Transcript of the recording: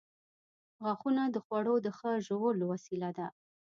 • غاښونه د خوړو د ښه ژولو وسیله ده.